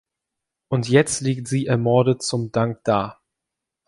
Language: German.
Und jetzt liegt sie ermordet zum Dank da!